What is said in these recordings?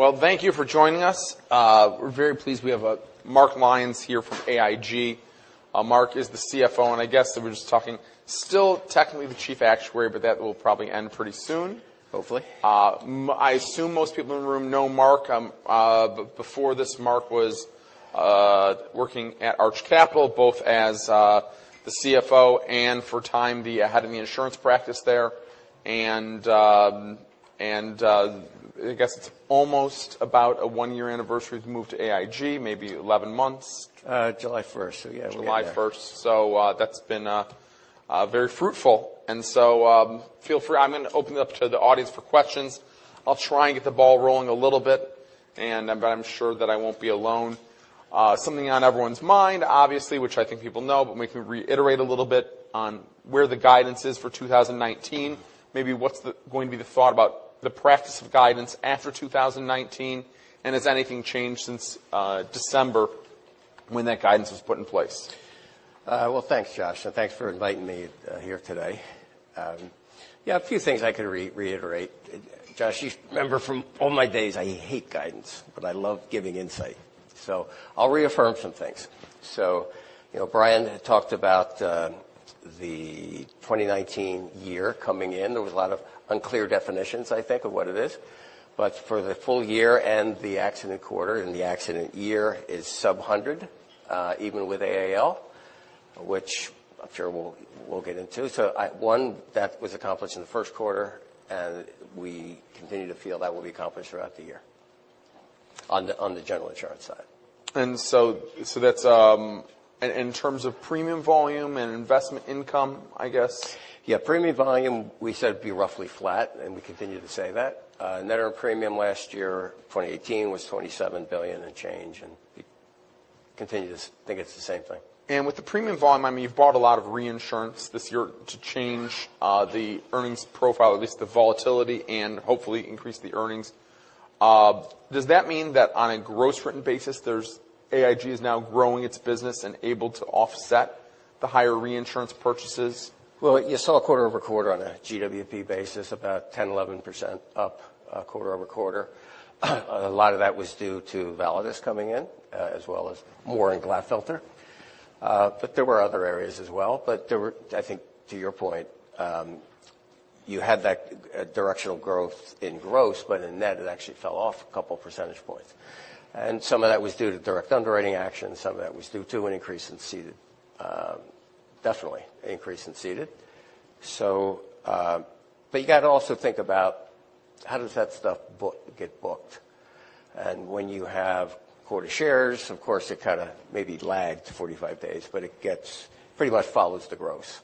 Well, thank you for joining us. We're very pleased we have Mark Lyons here from AIG. Mark is the CFO, and I guess that we're just talking still technically the Chief Actuary, but that will probably end pretty soon. Hopefully. I assume most people in the room know Mark. Before this, Mark was working at Arch Capital, both as the CFO and for a time, the head of the insurance practice there. I guess it's almost about a one-year anniversary of the move to AIG, maybe 11 months. July 1st. Yeah, we're there. July 1st. That's been very fruitful. Feel free, I'm going to open it up to the audience for questions. I'll try and get the ball rolling a little bit, but I'm sure that I won't be alone. Something on everyone's mind obviously, which I think people know, but we can reiterate a little bit on where the guidance is for 2019. Maybe what's going to be the thought about the practice of guidance after 2019, and has anything changed since December when that guidance was put in place? Well, thanks Josh, and thanks for inviting me here today. Yeah, a few things I could reiterate. Josh, you remember from all my days, I hate guidance, but I love giving insight. I'll reaffirm some things. Brian had talked about the 2019 year coming in. There was a lot of unclear definitions, I think, of what it is. For the full year and the accident quarter and the accident year is sub-100, even with AAL, which I'm sure we'll get into. One, that was accomplished in the first quarter, and we continue to feel that will be accomplished throughout the year on the General Insurance side. That's in terms of premium volume and investment income, I guess? Yeah. Premium volume, we said would be roughly flat, and we continue to say that. Net earned premium last year, 2018, was $27 billion and change, and we continue to think it's the same thing. With the premium volume, you've bought a lot of reinsurance this year to change the earnings profile, at least the volatility, and hopefully increase the earnings. Does that mean that on a gross written basis, AIG is now growing its business and able to offset the higher reinsurance purchases? Well, you saw quarter-over-quarter on a GWP basis about 10%, 11% up quarter-over-quarter. A lot of that was due to Validus coming in, as well as more in Glatfelter. There were other areas as well. There were, I think to your point, you had that directional growth in gross, but in net it actually fell off a couple percentage points. Some of that was due to direct underwriting actions. Some of that was due to an increase in ceded. Definitely an increase in ceded. You got to also think about how does that stuff get booked? When you have quarter shares, of course, it kind of maybe lags 45 days, but it pretty much follows the gross.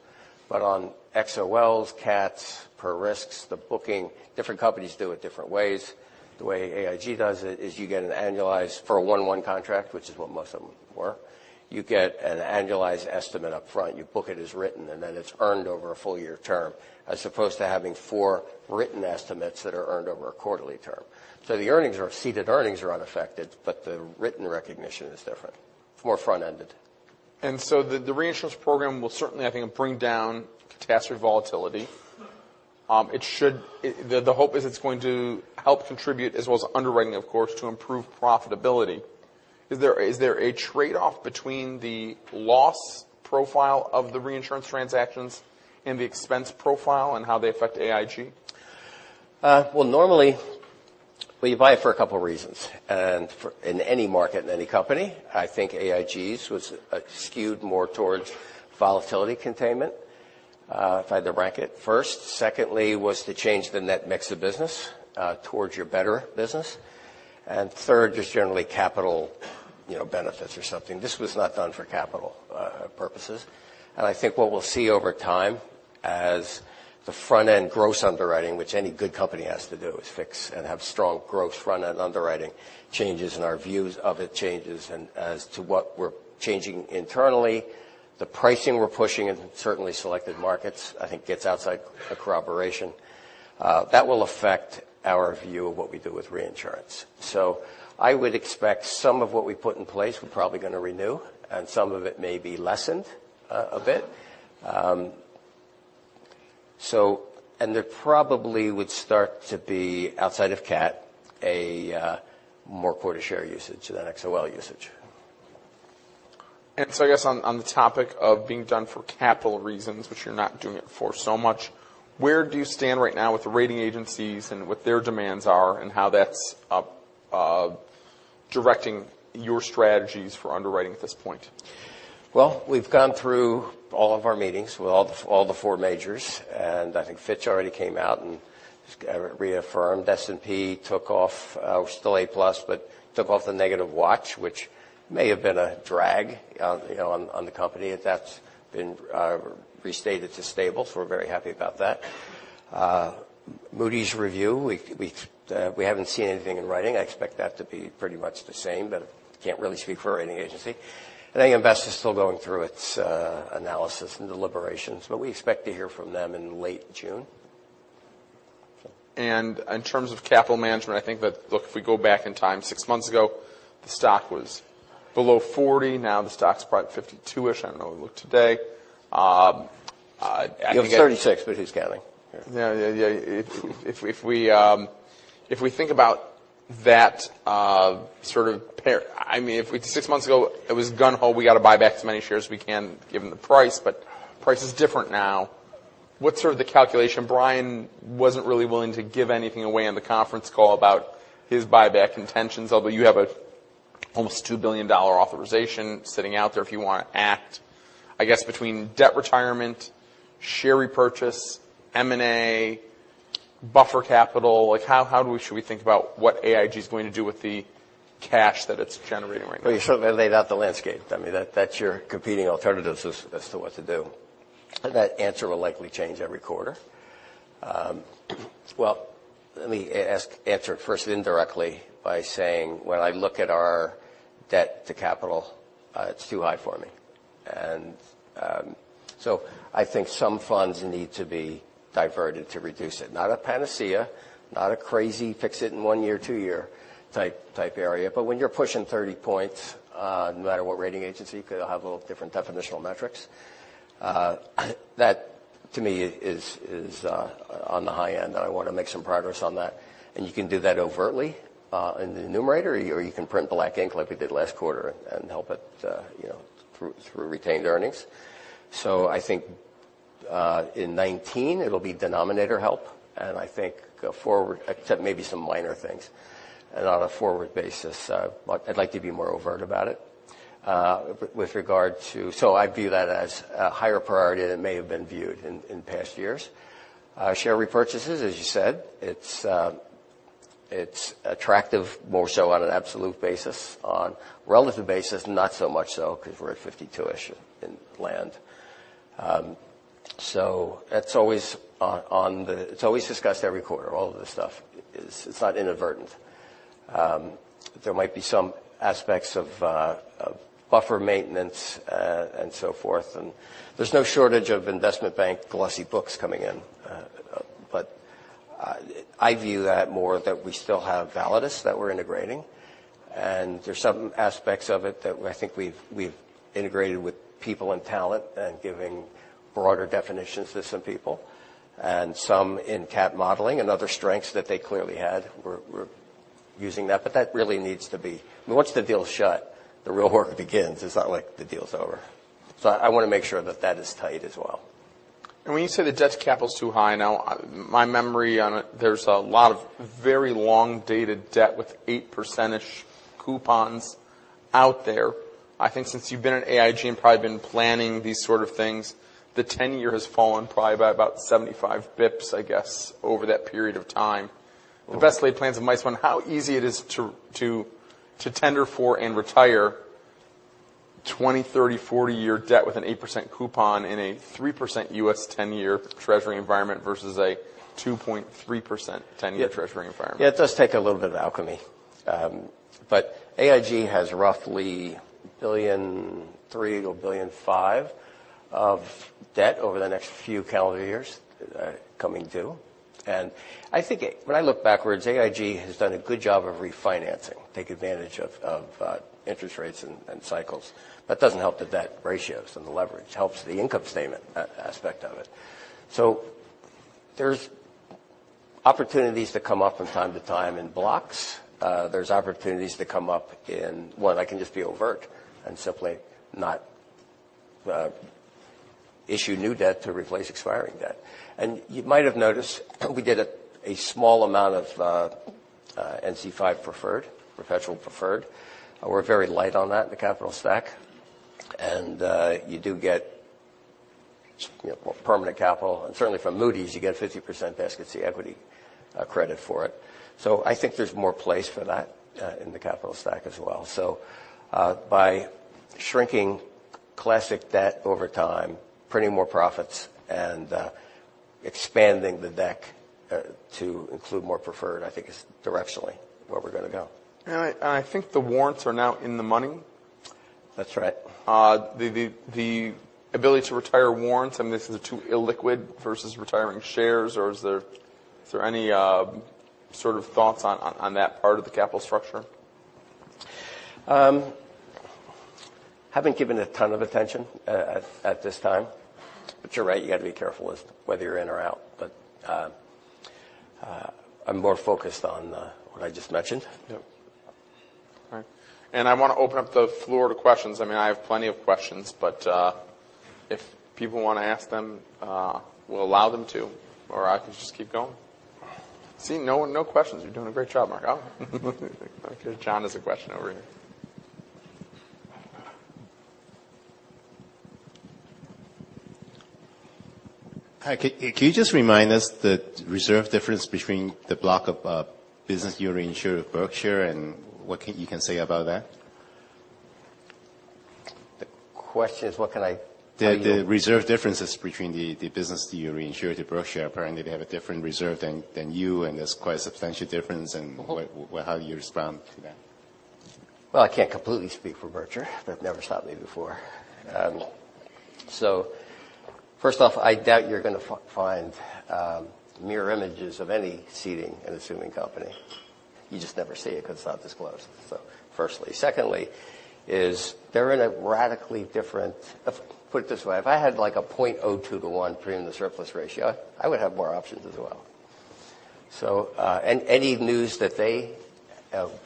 On XOLs, CATs, per risks, the booking, different companies do it different ways. The way AIG does it is you get an annualized for a 1/1 contract, which is what most of them were. You get an annualized estimate up front. You book it as written, then it's earned over a full year term, as opposed to having four written estimates that are earned over a quarterly term. The earnings or ceded earnings are unaffected, but the written recognition is different. It's more front-ended. The reinsurance program will certainly, I think, bring down catastrophe volatility. The hope is it's going to help contribute as well as underwriting, of course, to improve profitability. Is there a trade-off between the loss profile of the reinsurance transactions and the expense profile and how they affect AIG? Well, normally, well, you buy it for a couple of reasons. In any market, in any company, I think AIG's was skewed more towards volatility containment, if I had to rank it first. Secondly, was to change the net mix of business towards your better business. Third is generally capital benefits or something. This was not done for capital purposes. I think what we'll see over time as the front-end gross underwriting, which any good company has to do, is fix and have strong gross front-end underwriting changes and our views of it changes. As to what we're changing internally, the pricing we're pushing in certainly selected markets, I think gets outside a corroboration. That will affect our view of what we do with reinsurance. I would expect some of what we put in place we're probably going to renew, and some of it may be lessened a bit. There probably would start to be, outside of CAT, a more quota share usage than XOL usage. I guess on the topic of being done for capital reasons, which you're not doing it for so much, where do you stand right now with the rating agencies and what their demands are and how that's directing your strategies for underwriting at this point? We've gone through all of our meetings with all the four majors. I think Fitch already came out and reaffirmed. S&P took off. We're still A+, but took off the negative watch, which may have been a drag on the company. That's been restated to stable, so we're very happy about that. Moody's review, we haven't seen anything in writing. I expect that to be pretty much the same, but can't really speak for a rating agency. I think AM Best is still going through its analysis and deliberations, but we expect to hear from them in late June. In terms of capital management, I think that, look, if we go back in time six months ago, the stock was below 40, now the stock's probably 52-ish. I don't know, we'll look today. You have 36, but who's counting? Yeah. If we think about that pair, if we six months ago it was gung ho, we got to buy back as many shares as we can given the price, but price is different now. What's sort of the calculation? Brian wasn't really willing to give anything away on the conference call about his buyback intentions. Although you have almost a $2 billion authorization sitting out there if you want to act. I guess between debt retirement, share repurchase, M&A, buffer capital, how should we think about what AIG is going to do with the cash that it's generating right now? Well, you certainly laid out the landscape. That's your competing alternatives as to what to do. That answer will likely change every quarter. Well, let me answer it first indirectly by saying, when I look at our debt to capital, it's too high for me. I think some funds need to be diverted to reduce it. Not a panacea, not a crazy fix it in one year, two year type area, but when you're pushing 30 points, no matter what rating agency, because they'll have a little different definitional metrics, that to me is on the high end, and I want to make some progress on that. You can do that overtly in the numerator, or you can print black ink like we did last quarter and help it through retained earnings. I think in 2019 it'll be denominator help, and I think go forward, except maybe some minor things. On a forward basis, I'd like to be more overt about it. I view that as a higher priority than it may have been viewed in past years. Share repurchases, as you said, it's attractive more so on an absolute basis. On relative basis, not so much so because we're at 52-ish in land. It's always discussed every quarter. All of this stuff is not inadvertent. There might be some aspects of buffer maintenance and so forth, and there's no shortage of investment bank glossy books coming in. I view that more that we still have Validus that we're integrating, and there's some aspects of it that I think we've integrated with people and talent and giving broader definitions to some people. some in cat modeling and other strengths that they clearly had, we're using that. That really needs to be Once the deal's shut, the real work begins. It's not like the deal's over. I want to make sure that that is tight as well. When you say the debt to capital is too high, now my memory on it, there's a lot of very long dated debt with 8% coupons out there. I think since you've been at AIG and probably been planning these sort of things, the tenure has fallen probably by about 75 basis points, I guess, over that period of time. The best laid plans of mice on how easy it is to tender for and retire 20, 30, 40-year debt with an 8% coupon in a 3% U.S. 10-year Treasury environment versus a 2.3% 10-year Treasury environment. Yeah. It does take a little bit of alchemy. AIG has roughly $1.3 billion to $1.5 billion of debt over the next few calendar years coming due. I think when I look backwards, AIG has done a good job of refinancing, take advantage of interest rates and cycles. That doesn't help the debt ratios and the leverage. Helps the income statement aspect of it. There's opportunities that come up from time to time in blocks. There's opportunities that come up in one, I can just be overt and simply not issue new debt to replace expiring debt. You might have noticed we did a small amount of non-call five preferred, professional preferred. We're very light on that in the capital stack. You do get permanent capital, and certainly from Moody's, you get 50% Basket C equity credit for it. I think there's more place for that in the capital stack as well. By shrinking classic debt over time, printing more profits, and expanding the deck to include more preferred, I think is directionally where we're going to go. I think the warrants are now in the money. That's right. The ability to retire warrants, and this is too illiquid versus retiring shares, or is there any sort of thoughts on that part of the capital structure? Haven't given a ton of attention at this time. You're right, you got to be careful as to whether you're in or out. I'm more focused on what I just mentioned. Yep. All right. I want to open up the floor to questions. I have plenty of questions, but if people want to ask them, we'll allow them to. I can just keep going. See? No one, no questions. You're doing a great job, Mark. Okay. John has a question over here. Hi. Can you just remind us the reserve difference between the block of business you reinsure with Berkshire, and what can you say about that? The question is what can I tell you? The reserve differences between the business that you reinsure to Berkshire. Apparently, they have a different reserve than you, and there's quite a substantial difference. How do you respond to that? Well, I can't completely speak for Berkshire. That never stopped me before. First off, I doubt you're going to find mirror images of any ceding in assuming company. You just never see it because it's not disclosed. Firstly. Secondly is they're in a radically different. Put it this way, if I had a 0.02 to 1 premium to surplus ratio, I would have more options as well. Any news that they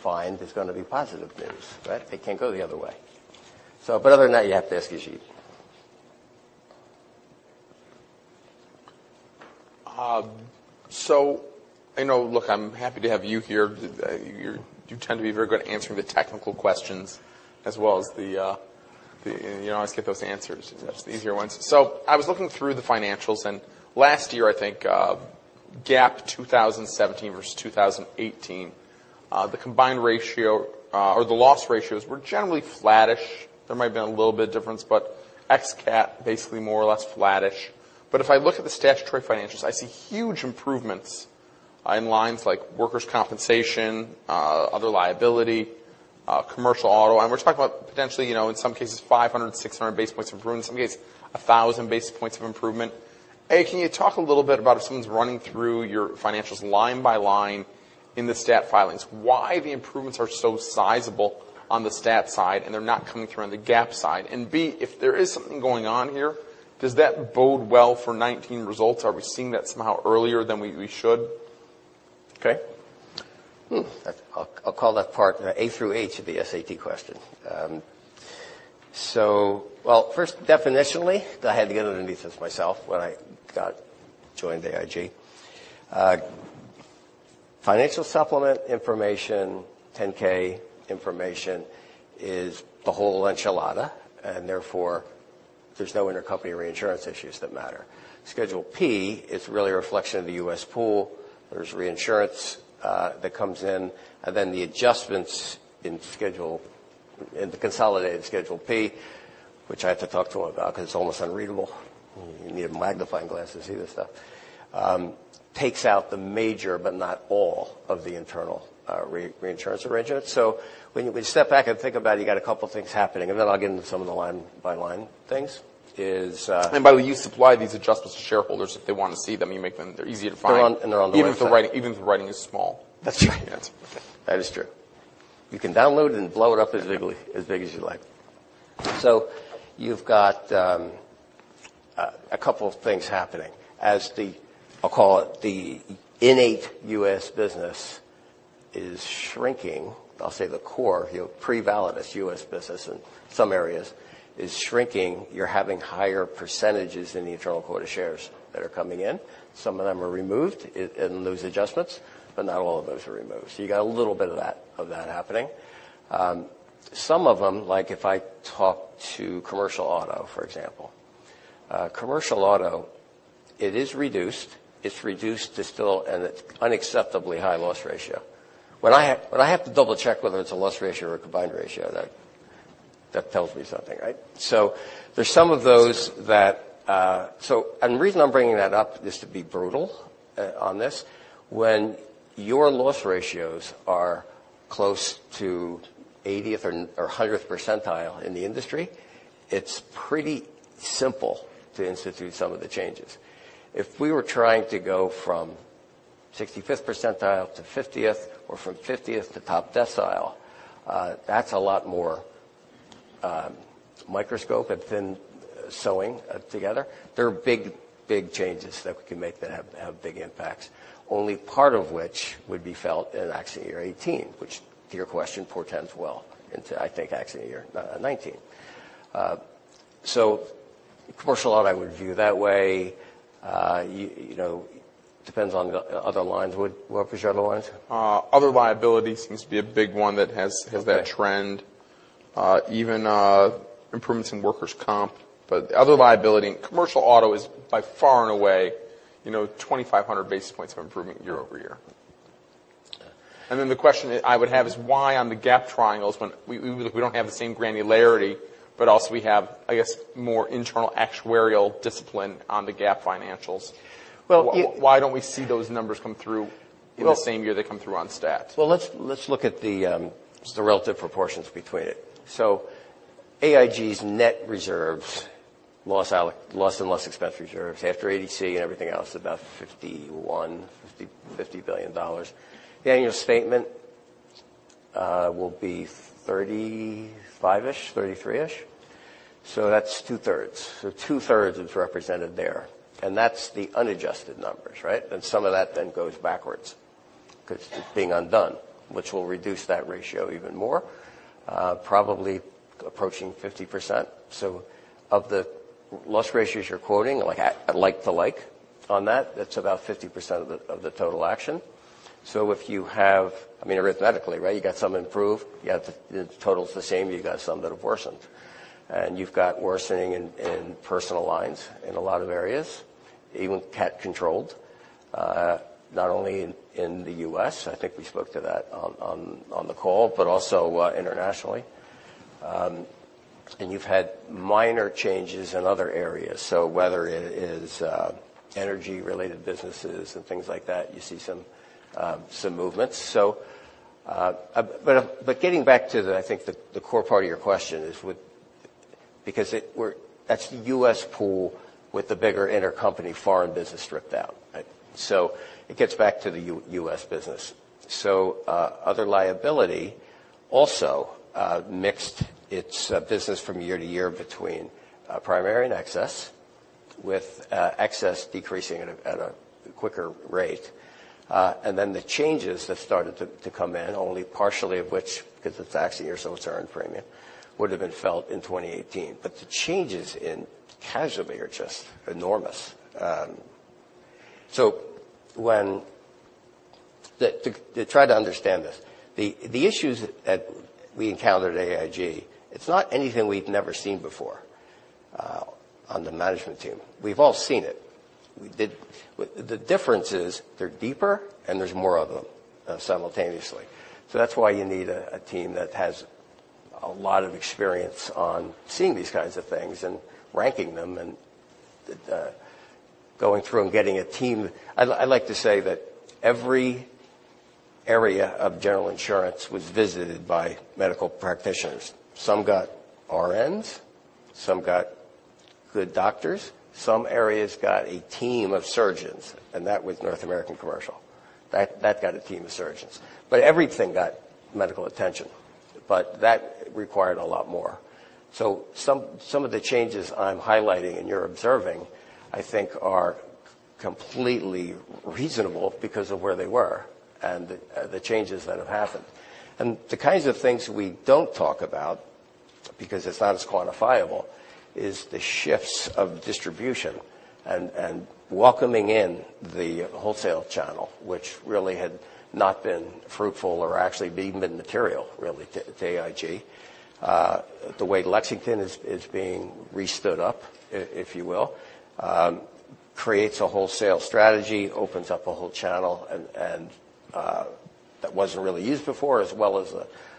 find is going to be positive news, right? It can't go the other way. But other than that, you have to ask [Issig]. I know, look, I'm happy to have you here. You tend to be very good at answering the technical questions as well as the You always get those answers, the easier ones. I was looking through the financials, and last year, I think, GAAP 2017 versus 2018, the combined ratio or the loss ratios were generally flattish. There might be a little bit of difference, but ex CAT, basically more or less flattish. If I look at the statutory financials, I see huge improvements in lines like workers' compensation, other liability, commercial auto. We're talking about potentially, in some cases, 500, 600 basis points of improvement, in some cases, 1,000 basis points of improvement. A, can you talk a little bit about if someone's running through your financials line by line in the stat filings, why the improvements are so sizable on the stat side and they're not coming through on the GAAP side? B, if there is something going on here, does that bode well for 2019 results? Are we seeing that somehow earlier than we should? Okay. I'll call that part A through H of the SAT question. Well, first definitionally, because I had to get underneath this myself when I joined AIG. Financial supplement information, 10-K information is the whole enchilada, and therefore, there's no intercompany reinsurance issues that matter. Schedule P is really a reflection of the U.S. pool. There's reinsurance that comes in, and then the adjustments in the consolidated Schedule P, which I have to talk to about because it's almost unreadable. You need a magnifying glass to see this stuff. Takes out the major, but not all of the internal reinsurance arrangements. When you step back and think about it, you got a couple of things happening, and then I'll get into some of the line-by-line things. By the way, you supply these adjustments to shareholders if they want to see them. You make them, they're easy to find. They're on the website. Even if the writing is small. That's right. That is true. You can download it and blow it up as big as you like. You've got a couple of things happening. As the, I'll call it, the innate U.S. business is shrinking. I'll say the core, pre-Validus U.S. business in some areas is shrinking. You're having higher percentages in the internal quota shares that are coming in. Some of them are removed in those adjustments, but not all of those are removed. You got a little bit of that happening. Some of them, like if I talk to commercial auto, for example. Commercial auto, it is reduced. It's reduced to still an unacceptably high loss ratio. When I have to double-check whether it's a loss ratio or a combined ratio, that tells me something, right? The reason I'm bringing that up is to be brutal on this. When your loss ratios are close to 80th or 100th percentile in the industry, it's pretty simple to institute some of the changes. If we were trying to go from 65th percentile to 50th or from 50th to top decile, that's a lot more microscope and thin sewing together. There are big changes that we can make that have big impacts. Only part of which would be felt in actually year 2018, which to your question, portends well into, I think, actually year 2019. Commercial auto, I would view that way. Depends on the other lines. What were the other lines? Other liability seems to be a big one that has that trend. Okay. Even improvements in workers' comp. Other liability, commercial auto is by far and away, 2,500 basis points of improvement year-over-year. Okay. The question I would have is why on the GAAP triangles, when we don't have the same granularity, but also we have, I guess, more internal actuarial discipline on the GAAP financials. Well- Why don't we see those numbers come through in the same year they come through on stats? Let's look at the relative proportions between it. AIG's net reserves, loss and loss expense reserves, after ADC and everything else, about $51 billion. The annual statement will be 35-ish, 33-ish. That's two-thirds. Two-thirds is represented there. That's the unadjusted numbers, right? Some of that then goes backwards because it's being undone, which will reduce that ratio even more, probably approaching 50%. Of the loss ratios you're quoting, like on that's about 50% of the total action. If you have, arithmetically, right? You got some improved, you got the total's the same, you got some that have worsened. You've got worsening in personal lines in a lot of areas, even CAT controlled. Not only in the U.S., I think we spoke to that on the call, but also internationally. You've had minor changes in other areas. Whether it is energy-related businesses and things like that, you see some movements. Getting back to, I think, the core part of your question is because that's the U.S. pool with the bigger intercompany foreign business stripped out. It gets back to the U.S. business. Other liability also mixed its business from year to year between primary and excess, with excess decreasing at a quicker rate. The changes have started to come in, only partially of which, because it's actually a year or so it's earned premium, would've been felt in 2018. The changes in casualty are just enormous. To try to understand this, the issues that we encountered at AIG, it's not anything we'd never seen before on the management team. We've all seen it. The difference is they're deeper and there's more of them simultaneously. That's why you need a team that has a lot of experience on seeing these kinds of things and ranking them and going through and getting a team. I like to say that every area of General Insurance was visited by medical practitioners. Some got RNs, some got good doctors, some areas got a team of surgeons, and that was North America Commercial. That got a team of surgeons. Everything got medical attention, but that required a lot more. Some of the changes I'm highlighting and you're observing, I think are completely reasonable because of where they were and the changes that have happened. The kinds of things we don't talk about, because it's not as quantifiable, is the shifts of distribution and welcoming in the wholesale channel, which really had not been fruitful or actually even been material, really, to AIG. The way Lexington is being re-stood up, if you will, creates a wholesale strategy, opens up a whole channel that wasn't really used before, as well as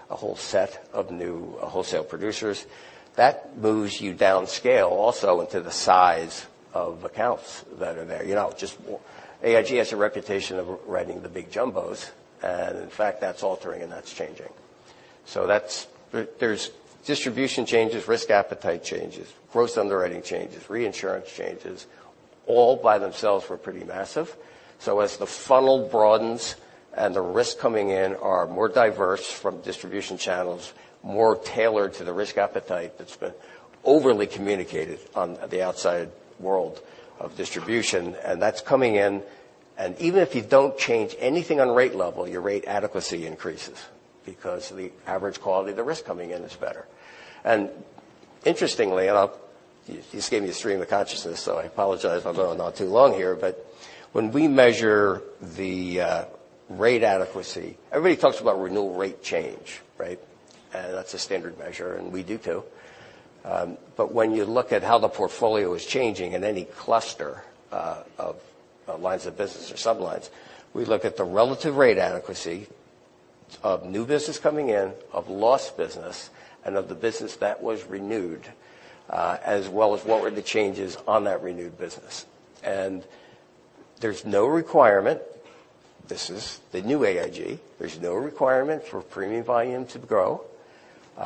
a whole set of new wholesale producers. That moves you down scale also into the size of accounts that are there. AIG has a reputation of writing the big jumbos, and in fact, that's altering and that's changing. There's distribution changes, risk appetite changes, gross underwriting changes, reinsurance changes, all by themselves were pretty massive. As the funnel broadens and the risks coming in are more diverse from distribution channels, more tailored to the risk appetite that's been overly communicated on the outside world of distribution, and that's coming in, and even if you don't change anything on rate level, your rate adequacy increases because the average quality of the risk coming in is better. Interestingly, you just gave me a stream of consciousness, I apologize. I'll go not too long here, when we measure the rate adequacy, everybody talks about renewal rate change, right? That's a standard measure, and we do too. When you look at how the portfolio is changing in any cluster of lines of business or sublines, we look at the relative rate adequacy of new business coming in, of lost business, and of the business that was renewed, as well as what were the changes on that renewed business. There's no requirement. This is the new AIG. There's no requirement for premium volume to grow.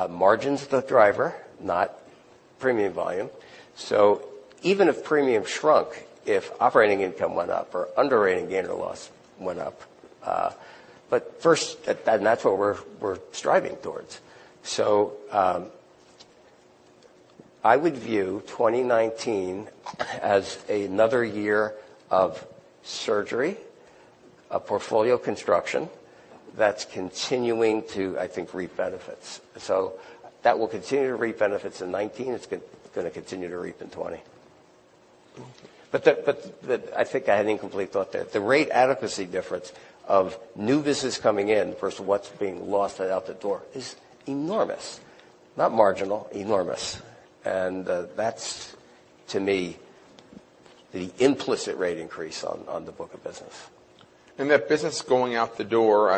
Margin's the driver, not premium volume. Even if premium shrunk, if operating income went up or underwriting gain or loss went up. First, that's what we're striving towards. I would view 2019 as another year of surgery, of portfolio construction that's continuing to, I think, reap benefits. That will continue to reap benefits in 2019. It's going to continue to reap in 2020. I think I had an incomplete thought there. The rate adequacy difference of new business coming in versus what's being lost out the door is enormous. Not marginal, enormous. That's, to me, the implicit rate increase on the book of business. That business going out the door,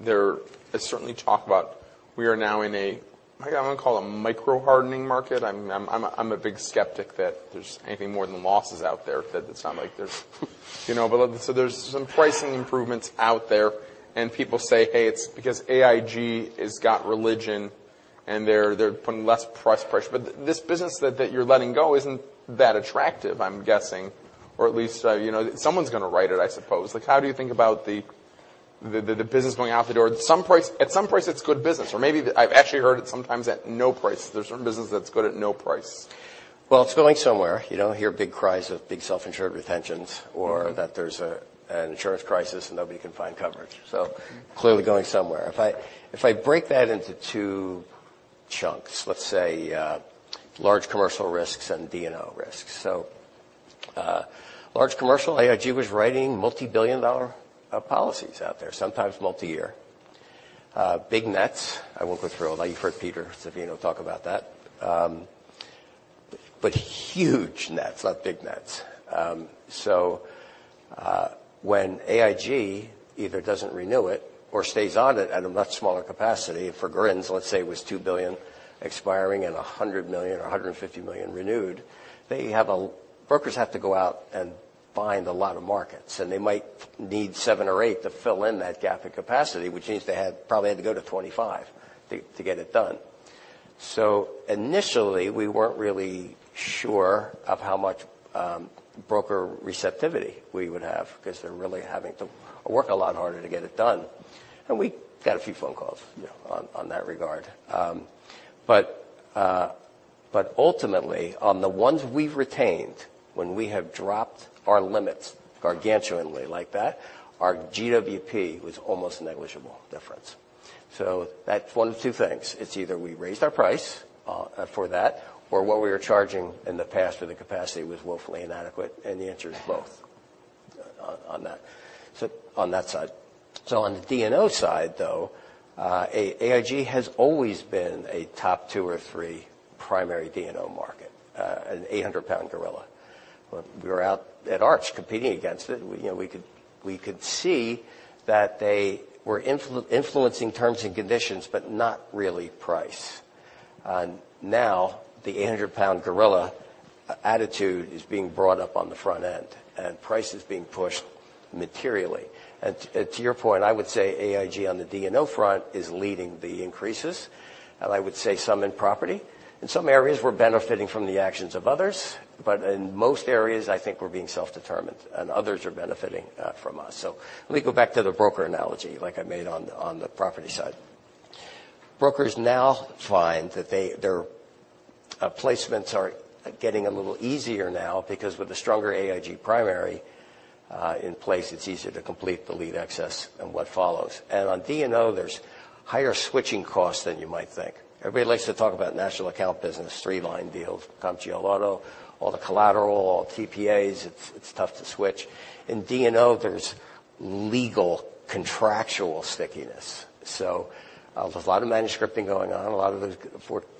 there is certainly talk about we are now in a micro hardening market. I'm a big skeptic that there's anything more than losses out there because it's not like there's some pricing improvements out there, and people say, "Hey, it's because AIG has got religion and they're putting less price pressure." This business that you're letting go isn't that attractive, I'm guessing. At least someone's going to write it, I suppose. How do you think about the business going out the door? At some price, it's good business. Maybe I've actually heard it sometimes at no price. There's certain business that's good at no price. It's going somewhere. You don't hear big cries of big self-insured retentions or that there's an insurance crisis and nobody can find coverage. Clearly going somewhere. If I break that into two chunks, let's say large commercial risks and D&O risks. Large commercial, AIG was writing multi-billion dollar policies out there, sometimes multi-year. Big nets. I won't go through all that. You've heard Peter Zaffino talk about that. Huge nets, not big nets. When AIG either doesn't renew it or stays on it at a much smaller capacity, for grins, let's say it was $2 billion expiring and $100 million or $150 million renewed, brokers have to go out find a lot of markets, and they might need seven or eight to fill in that gap in capacity, which means they probably had to go to 25 to get it done. Initially, we weren't really sure of how much broker receptivity we would have because they're really having to work a lot harder to get it done. We got a few phone calls on that regard. Ultimately, on the ones we've retained, when we have dropped our limits gargantuanly like that, our GWP was almost a negligible difference. That's one of 2 things. It's either we raised our price for that, or what we were charging in the past for the capacity was woefully inadequate. The answer is both on that side. On the D&O side, though, AIG has always been a top 2 or 3 primary D&O market, an 800-pound gorilla. We were out at Arch competing against it. We could see that they were influencing terms and conditions but not really price. The 800-pound gorilla attitude is being brought up on the front end, price is being pushed materially. To your point, I would say AIG on the D&O front is leading the increases. I would say some in property. In some areas, we're benefiting from the actions of others. In most areas, I think we're being self-determined, and others are benefiting from us. Let me go back to the broker analogy, like I made on the property side. Brokers now find that their placements are getting a little easier now because with a stronger AIG primary in place, it's easier to complete the lead access and what follows. On D&O, there's higher switching costs than you might think. Everybody likes to talk about national account business, streamline deals, commercial auto, all the collateral, all TPAs. It's tough to switch. In D&O, there's legal contractual stickiness. There's a lot of manuscripting going on. A lot of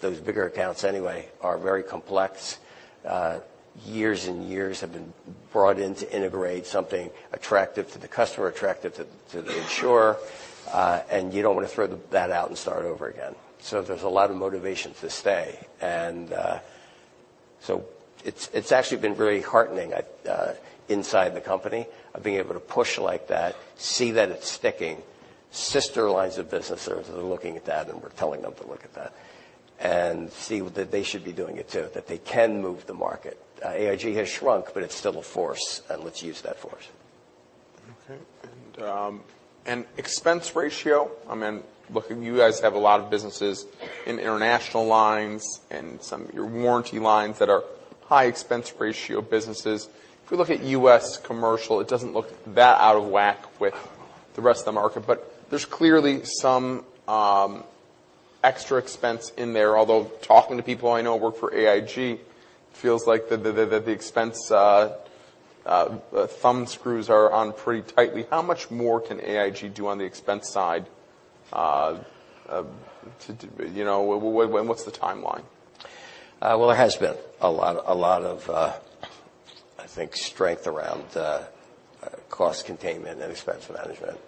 those bigger accounts anyway are very complex. Years and years have been brought in to integrate something attractive to the customer, attractive to the insurer. You don't want to throw that out and start over again. There's a lot of motivation to stay. It's actually been very heartening inside the company of being able to push like that, see that it's sticking, sister lines of businesses are looking at that, and we're telling them to look at that and see that they should be doing it, too, that they can move the market. AIG has shrunk, but it's still a force, and let's use that force. Okay. Expense ratio, looking, you guys have a lot of businesses in international lines and some of your warranty lines that are high expense ratio businesses. If we look at U.S. commercial, it doesn't look that out of whack with the rest of the market, but there's clearly some extra expense in there. Although talking to people I know who work for AIG feels like the expense thumb screws are on pretty tightly. How much more can AIG do on the expense side? What's the timeline? Well, there has been a lot of, I think, strength around cost containment and expense management.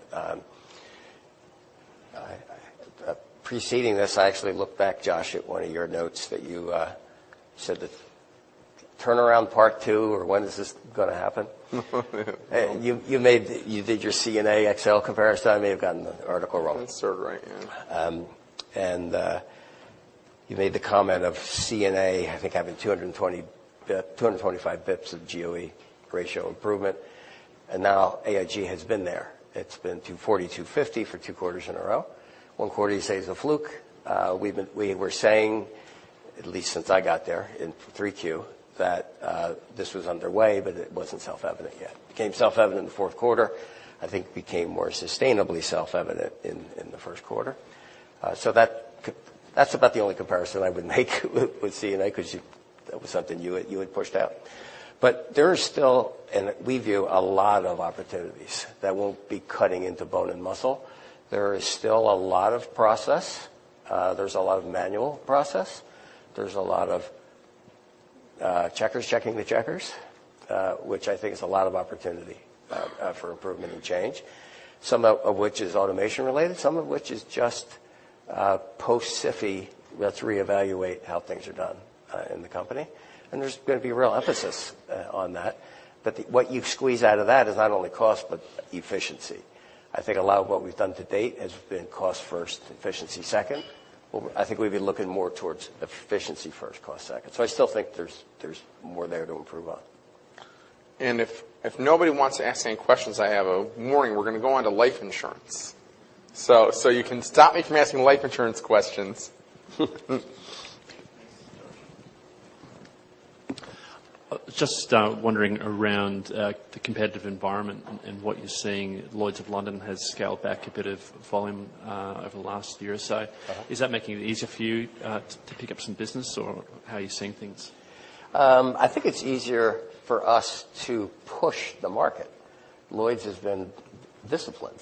Preceding this, I actually looked back, Josh, at one of your notes that you said that turnaround part two, or when is this going to happen? Yeah. You did your CNA XL comparison. I may have gotten the article wrong. That's sort of right, yeah. You made the comment of CNA, I think, having 225 bps of GOE ratio improvement. AIG has been there. It's been 240, 250 for two quarters in a row. One quarter you say is a fluke. We were saying, at least since I got there in 3Q, that this was underway, but it wasn't self-evident yet. Became self-evident in the fourth quarter, I think became more sustainably self-evident in the first quarter. That's about the only comparison I would make with CNA because that was something you had pushed out. There is still, and we view a lot of opportunities that won't be cutting into bone and muscle. There is still a lot of process. There's a lot of manual process. There's a lot of checkers checking the checkers, which I think is a lot of opportunity for improvement and change. Some of which is automation related, some of which is just post-SIFI, let's reevaluate how things are done in the company. There's going to be a real emphasis on that. What you squeeze out of that is not only cost but efficiency. I think a lot of what we've done to date has been cost first, efficiency second. I think we've been looking more towards efficiency first, cost second. I still think there's more there to improve on. If nobody wants to ask any questions, I have a warning. We're going to go on to life insurance. You can stop me from asking life insurance questions. Thanks, Josh. Just wondering around the competitive environment and what you're seeing. Lloyd's of London has scaled back a bit of volume over the last year or so. Is that making it easier for you to pick up some business, or how are you seeing things? I think it's easier for us to push the market. Lloyd's has been disciplined.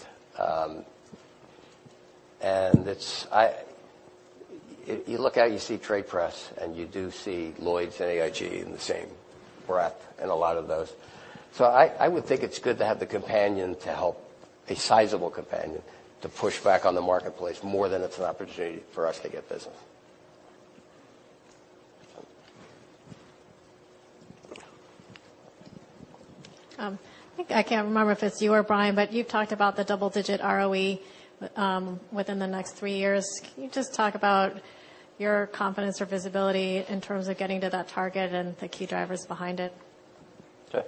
You look out, you see trade press, and you do see Lloyd's and AIG in the same breath in a lot of those. I would think it's good to have the companion to help, a sizable companion, to push back on the marketplace more than it's an opportunity for us to get business. I think I can't remember if it's you or Brian, but you've talked about the double-digit ROE within the next three years. Can you just talk about your confidence or visibility in terms of getting to that target and the key drivers behind it? Sure.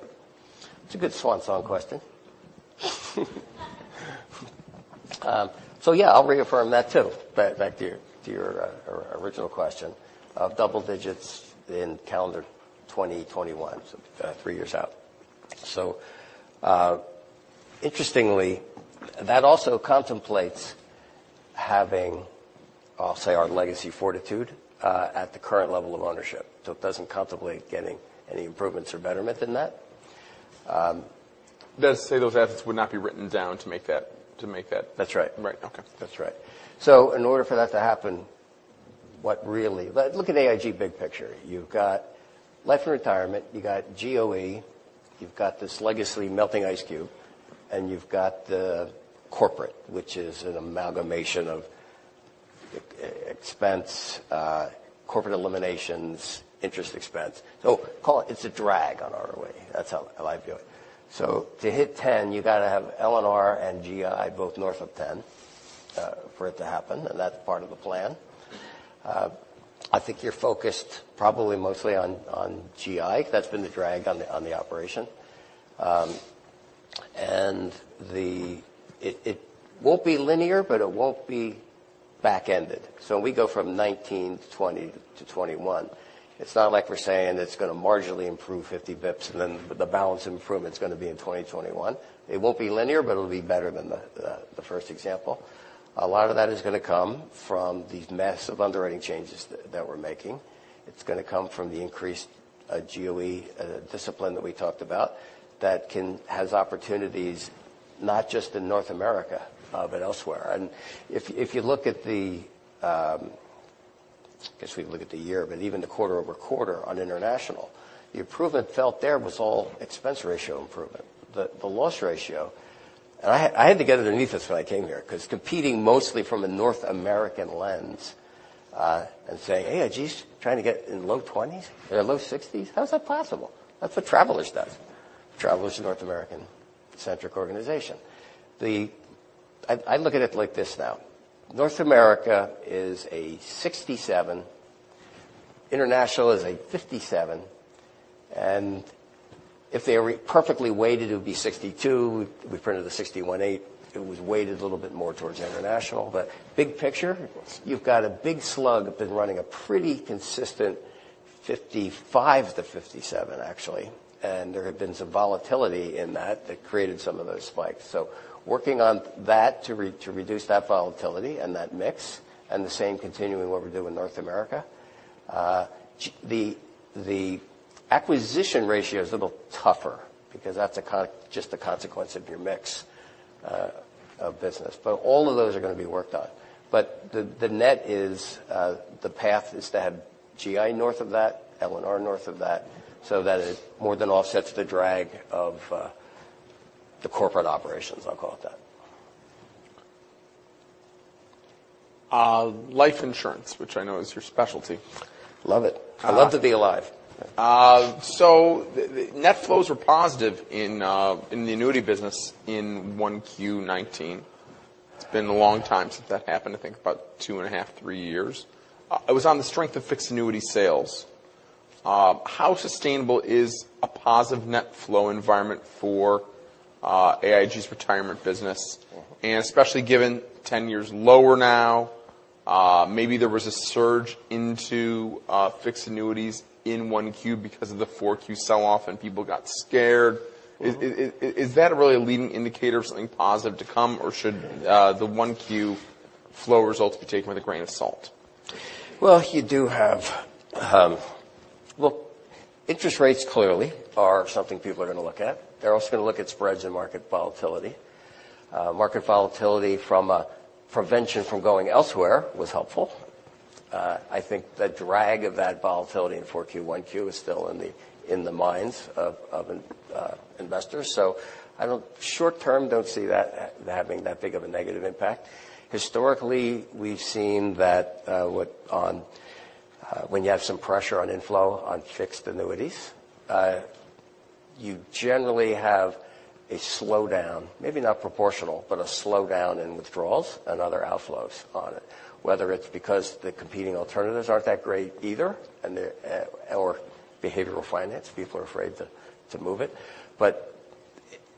It's a good swan song question. Yeah, I'll reaffirm that too. Back to your original question of double digits in calendar 2021, three years out. Interestingly, that also contemplates having, I'll say, our legacy Fortitude at the current level of ownership. It doesn't contemplate getting any improvements or betterment than that. Does say those assets would not be written down to make that? That's right. Right. Okay. That's right. In order for that to happen, what really. Look at AIG big picture. You've got life and retirement, you got GOE, you've got this legacy melting ice cube, and you've got the corporate, which is an amalgamation of expense, corporate eliminations, interest expense. Call it's a drag on our way. That's how I view it. To hit 10, you got to have L and R and GI both north of 10 for it to happen, and that's part of the plan. I think you're focused probably mostly on GI. That's been the drag on the operation. It won't be linear, but it won't be back-ended. We go from 2019 to 2020 to 2021. It's not like we're saying it's going to marginally improve 50 basis points and then the balance improvement's going to be in 2021. It won't be linear, but it'll be better than the first example. A lot of that is going to come from these massive underwriting changes that we're making. It's going to come from the increased GOE discipline that we talked about that has opportunities not just in North America, but elsewhere. If you look at the, I guess we can look at the year, but even the quarter-over-quarter on international, the improvement felt there was all expense ratio improvement. The loss ratio, and I had to get underneath this when I came here because competing mostly from a North American lens and say, "AIG's trying to get in low 20s? They're low 60s? How is that possible? That's what Travelers does." Travelers is a North American-centric organization. I look at it like this now. North America is a 67%, international is a 57%, and if they were perfectly weighted, it would be 62%. We printed a 61.8%. It was weighted a little bit more towards international. Big picture, you've got a big slug that's been running a pretty consistent 55%-57% actually, and there have been some volatility in that that created some of those spikes. Working on that to reduce that volatility and that mix and the same continuing what we do in North America. The acquisition ratio is a little tougher because that's just a consequence of your mix of business. All of those are going to be worked on. The net is, the path is to have GI north of that, L and R north of that, so that it more than offsets the drag of the corporate operations, I'll call it that. Life insurance, which I know is your specialty. Love it. I love to be alive. Net flows were positive in the annuity business in 1Q 2019. It's been a long time since that happened, I think about two and a half, three years. It was on the strength of fixed annuity sales. How sustainable is a positive net flow environment for AIG's retirement business? Especially given 10 years lower now, maybe there was a surge into fixed annuities in 1Q because of the 4Q sell-off and people got scared. Is that really a leading indicator of something positive to come, should the 1Q flow results be taken with a grain of salt? Interest rates clearly are something people are going to look at. They're also going to look at spreads and market volatility. Market volatility from a prevention from going elsewhere was helpful. I think the drag of that volatility in 4Q-1Q is still in the minds of investors. Short term, don't see that having that big of a negative impact. Historically, we've seen that when you have some pressure on inflow on fixed annuities, you generally have a slowdown, maybe not proportional, but a slowdown in withdrawals and other outflows on it, whether it's because the competing alternatives aren't that great either, or behavioral finance, people are afraid to move it.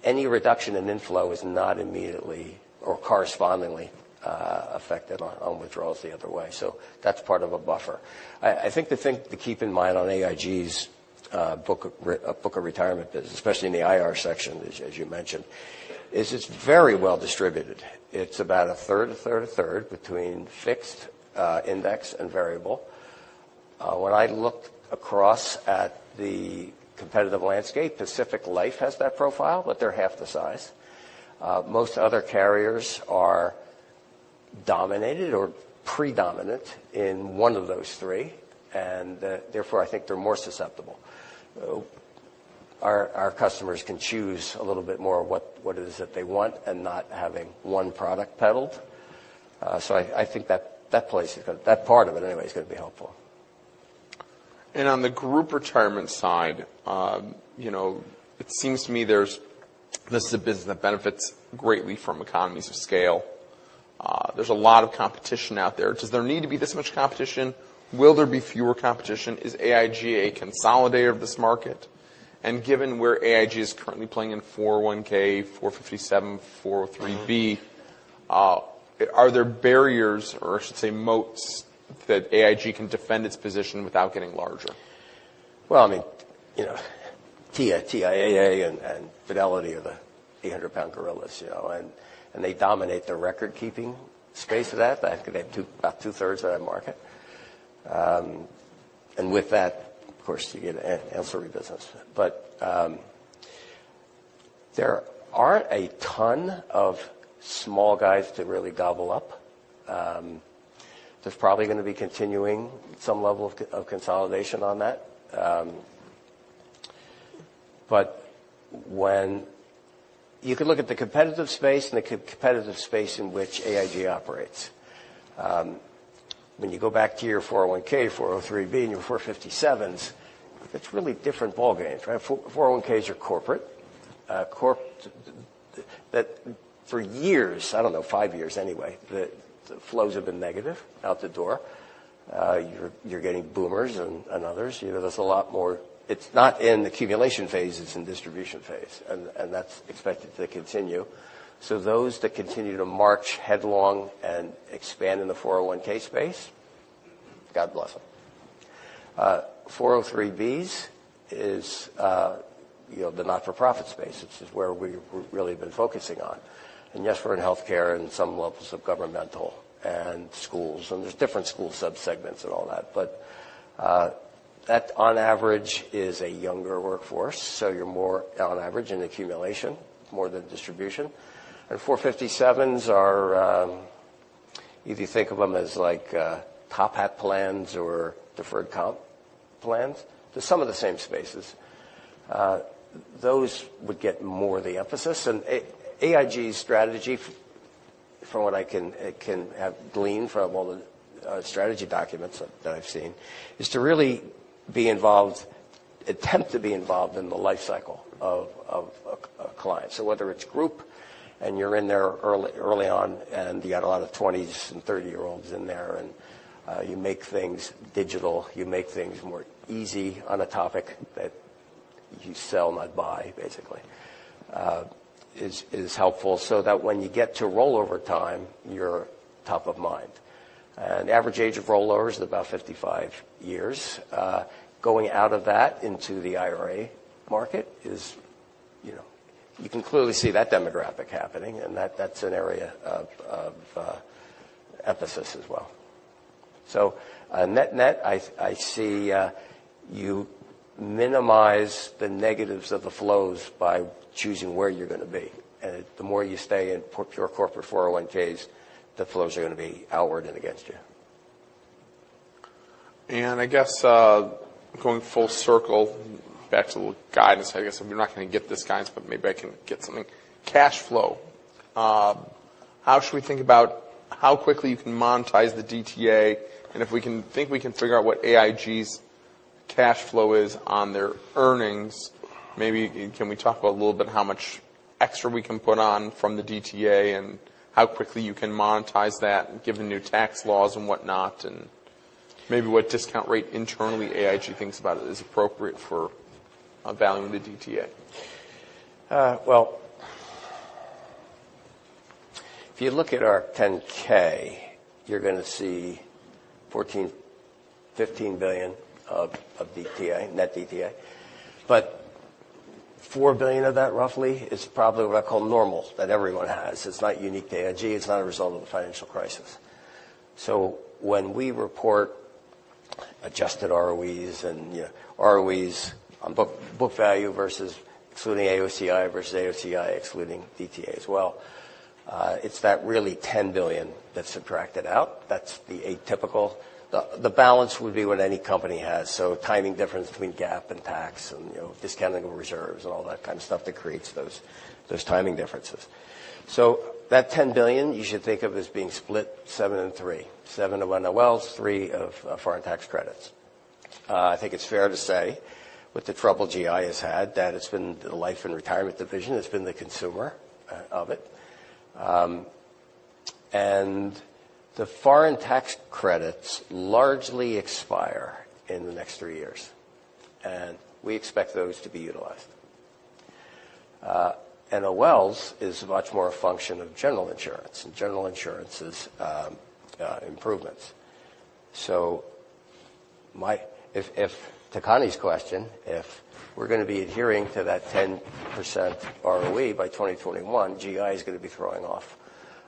Any reduction in inflow is not immediately or correspondingly affected on withdrawals the other way. That's part of a buffer. I think the thing to keep in mind on AIG's book of retirement business, especially in the IR section, as you mentioned, is it's very well distributed. It's about a third, a third, a third between fixed, index, and variable. When I looked across at the competitive landscape, Pacific Life has that profile, but they're half the size. Most other carriers are dominated or predominant in one of those three, and therefore, I think they're more susceptible. Our customers can choose a little bit more what it is that they want and not having one product peddled. I think that part of it, anyway, is going to be helpful. On the group retirement side, it seems to me this is a business that benefits greatly from economies of scale. There's a lot of competition out there. Does there need to be this much competition? Will there be fewer competition? Is AIG a consolidator of this market? Given where AIG is currently playing in 401k, 457, 403, are there barriers or, I should say, moats that AIG can defend its position without getting larger? TIAA and Fidelity are the 800-pound gorillas. They dominate the record-keeping space of that. I think they have about two-thirds of that market. With that, of course, you get ancillary business. There aren't a ton of small guys to really gobble up. There's probably going to be continuing some level of consolidation on that. You can look at the competitive space and the competitive space in which AIG operates. When you go back to your 401k, 403, and your 457s, that's really different ballgames, right? 401ks are corporate. For years, I don't know, five years anyway, the flows have been negative out the door. You're getting boomers and others. It's not in accumulation phase, it's in distribution phase, and that's expected to continue. Those that continue to march headlong and expand in the 401k space, God bless them. 403s is the not-for-profit space, which is where we've really been focusing on. Yes, we're in healthcare and some levels of governmental and schools, and there's different school subsegments and all that. That, on average, is a younger workforce, so you're more on average in accumulation more than distribution. 457s are, if you think of them as like top hat plans or deferred comp plans. They're some of the same spaces. Those would get more of the emphasis. AIG's strategy, from what I can have gleaned from all the strategy documents that I've seen, is to really attempt to be involved in the life cycle of a client. Whether it's group and you're in there early on and you got a lot of 20s and 30-year-olds in there, and you make things digital, you make things more easy on a topic that you sell, not buy, basically, is helpful, so that when you get to rollover time, you're top of mind. Average age of rollover is about 55 years. Going out of that into the IRA market is, you can clearly see that demographic happening, and that's an area of emphasis as well. Net-net, I see you minimize the negatives of the flows by choosing where you're going to be. The more you stay in pure corporate 401(k)s, the flows are going to be outward and against you. I guess going full circle back to a little guidance, I guess we're not going to get this guidance, but maybe I can get something. Cash flow. How should we think about how quickly you can monetize the DTA? If we can think we can figure out what AIG's cash flow is on their earnings, maybe can we talk about a little bit how much extra we can put on from the DTA and how quickly you can monetize that given new tax laws and whatnot, and maybe what discount rate internally AIG thinks about it is appropriate for valuing the DTA? If you look at our 10-K, you're going to see $15 billion of net DTA. $4 billion of that roughly is probably what I call normal that everyone has. It's not unique to AIG. It's not a result of the financial crisis. When we report adjusted ROEs and ROEs on book value versus excluding AOCI versus AOCI excluding DTA as well, it's that really $10 billion that's subtracted out. That's the atypical. The balance would be what any company has. Timing difference between GAAP and tax and discounting reserves and all that kind of stuff that creates those timing differences. That $10 billion you should think of as being split seven and three. Seven of NOLs, three of foreign tax credits. I think it's fair to say with the trouble GI has had, that it's been the Life and Retirement division that's been the consumer of it. The foreign tax credits largely expire in the next three years, and we expect those to be utilized. NOLs is much more a function of general insurance and general insurance is improvements. To Connie's question, if we're going to be adhering to that 10% ROE by 2021, GI is going to be throwing off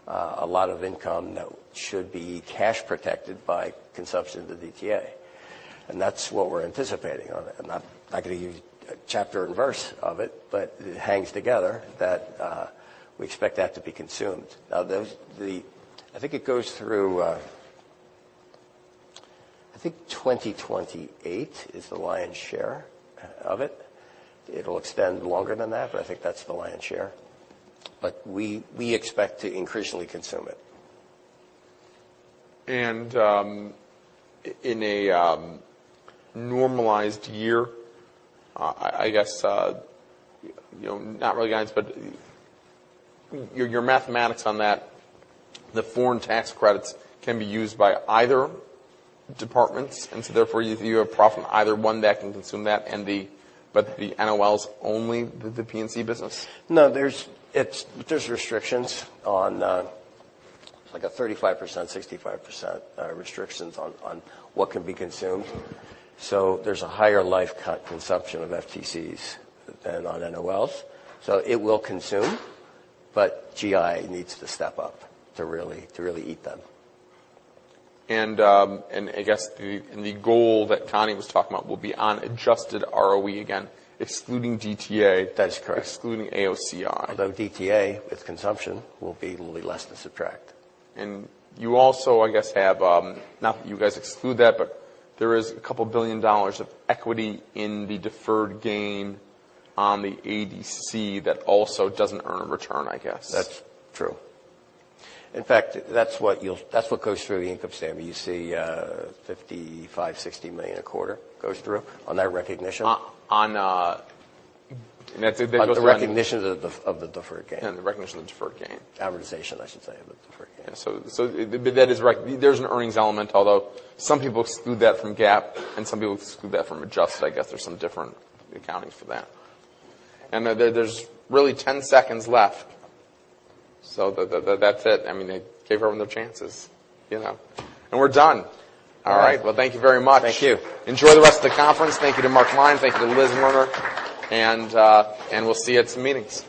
a lot of income that should be cash protected by consumption of the DTA. That's what we're anticipating on it. I'm not going to use chapter and verse of it, but it hangs together that we expect that to be consumed. I think it goes through I think 2028 is the lion's share of it. It'll extend longer than that, but I think that's the lion's share. We expect to increasingly consume it. In a normalized year, I guess, not really guidance, but your mathematics on that, the foreign tax credits can be used by either departments, and so therefore you have profit either one that can consume that but the NOLs only the P&C business? No, there's restrictions on, like a 35%, 65% restrictions on what can be consumed. There's a higher L&R consumption of FTCs than on NOLs. It will consume, but GI needs to step up to really eat them. I guess the goal that Connie was talking about will be on adjusted ROE again, excluding DTA. That is correct excluding AOCI. DTA, with consumption, will be a little less to subtract. You also, I guess, have, not that you guys exclude that, but there is a couple billion dollars of equity in the deferred gain on the ADC that also doesn't earn a return, I guess. That's true. In fact, that's what goes through the income statement. You see, $55, $60 million a quarter goes through on that recognition. On that goes through. On the recognition of the deferred gain. Yeah, the recognition of the deferred gain. Amortization, I should say, of the deferred gain. That is right. There's an earnings element, although some people exclude that from GAAP and some people exclude that from adjusted. I guess there's some different accounting for that. There's really 10 seconds left. That's it. I mean, they gave everyone their chances. We're done. All right. Yeah. Well, thank you very much. Thank you. Enjoy the rest of the conference. Thank you to Mark Klein. Thank you to Liz Werner. We'll see you at some meetings.